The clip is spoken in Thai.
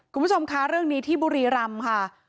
คุณผู้ชมคะเรื่องนี้ที่บุรีรำค่ะ